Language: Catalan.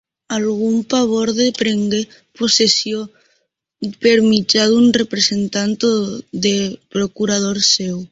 Algun paborde prengué possessió per mitjà de representant o de procurador seu.